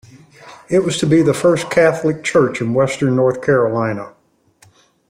It was to be the first Catholic church in Western North Carolina.